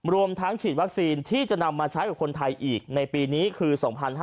รวมทั้งฉีดวัคซีนที่จะนำมาใช้กับคนไทยอีกในปีนี้คือ๒๕๕๙